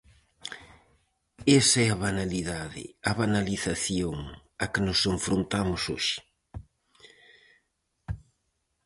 Esa é a banalidade -a banalización- a que nos enfrontamos hoxe.